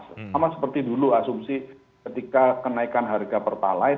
sama seperti dulu asumsi ketika kenaikan harga pertalite